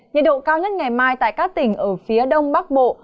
nhiệt độ cao nhất ngày mai tại các tỉnh ở phía đông bắc bộ